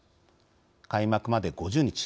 開幕まで５０日